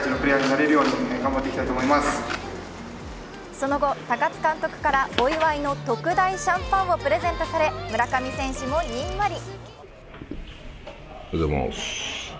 その後、高津監督からお祝いの特大シャンパンをプレゼントされ、村上選手もニンマリ。